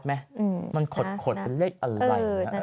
มันขดเป็นเลขอะไรนะ